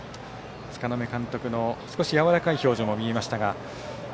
柄目監督のやわらかい表情も見えましたが。